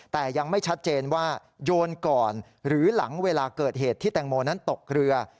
แต่ยังไม่ชัดเจนว่าโยนก่อนหรือหลังเวลาเกิดเหตุที่แตงโมนั้นตกเรือ